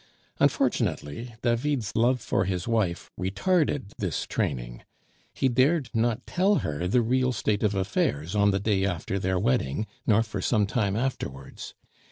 Unfortunately, David's love for his wife retarded this training; he dared not tell her the real state of affairs on the day after their wedding, nor for some time afterwards.